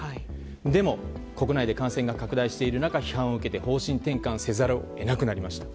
でも、国内で感染が拡大している中、批判を受けて方針転換せざるを得なくなりました。